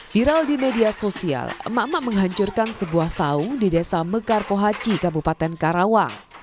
viral di media sosial mak mak menghancurkan sebuah saung di desa mekar pohaci kabupaten karawang